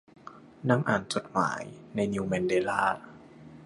นั่งอ่าน จดหมาย ในนิวแมนเดล่า